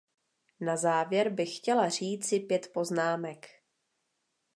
Na závěr bych chtěla říci pět poznámek.